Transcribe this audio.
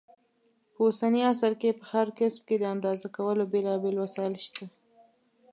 په اوسني عصر کې په هر کسب کې د اندازه کولو بېلابېل وسایل شته.